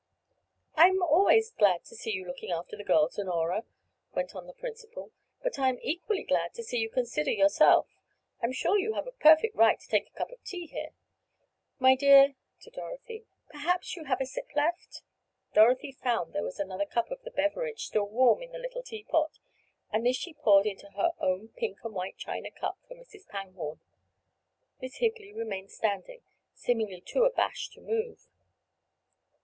"I am always glad to see you looking after the girls, Honorah," went on the principal, "but I am equally glad to see you consider yourself. I'm sure you have a perfect right to take a cup of tea here. My dear," to Dorothy, "perhaps you have a sip left?" Dorothy found there was another cup of the beverage, still warm in the little teapot, and this she poured into her own pink and white china cup for Mrs. Pangborn. Miss Higley remained standing, seemingly too abashed to move.